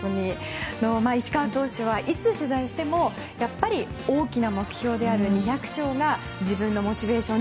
石川投手はいつ取材してもやっぱり大きな目標である２００勝が自分のモチベーション